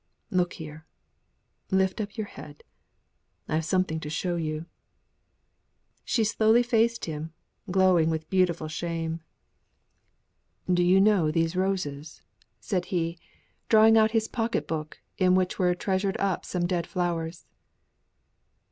"Look here! Lift up your head. I have something to show you!" She slowly faced him, glowing with beautiful shame. "Do you know these roses?" he said, drawing out his pocket book, in which were treasured up some dead flowers.